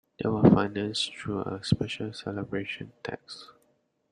They were financed through a special celebration tax.